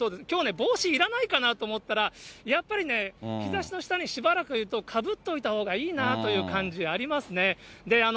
きょうね、帽子いらないかなと思ったら、やっぱりね、日ざしの下にしばらくいると、かぶっておいたほうがいいなという感じありますね。